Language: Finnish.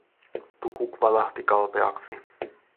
Tukuk valahti kalpeaksi.